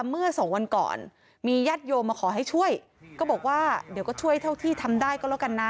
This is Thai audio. เมื่อสองวันก่อนมีญาติโยมมาขอให้ช่วยก็บอกว่าเดี๋ยวก็ช่วยเท่าที่ทำได้ก็แล้วกันนะ